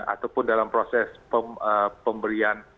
ataupun dalam proses pemberian